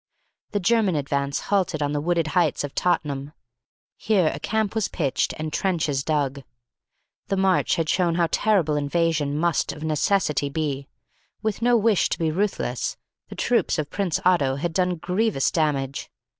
The German advance halted on the wooded heights of Tottenham. Here a camp was pitched and trenches dug. The march had shown how terrible invasion must of necessity be. With no wish to be ruthless, the troops of Prince Otto had done grievous damage.